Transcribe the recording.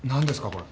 これ。